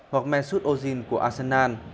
hoặc men suốt ogn của arsenal